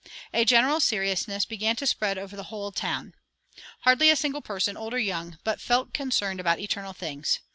A general seriousness began to spread over the whole town. Hardly a single person, old or young, but felt concerned about eternal things.